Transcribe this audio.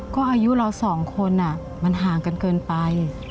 ก็อายุเราสองคนมันห่างกันเกินไป